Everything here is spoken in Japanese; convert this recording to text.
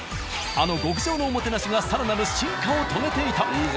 あの極上のおもてなしが更なる進化を遂げていた。